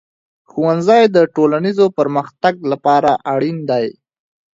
ښوونځی د ټولنیز پرمختګ لپاره اړین دی.